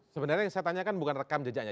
sebenarnya yang saya tanyakan bukan rekam jejaknya